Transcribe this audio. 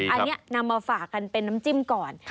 อันนี้นำมาฝากกันเป็นน้ำจิ้มก่อน